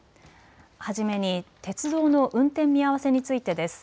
初めに鉄道の運転見合わせについてです。